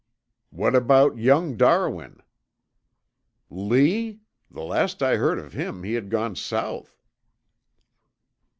"What about young Darwin?" "Lee? The last I heard of him he had gone South."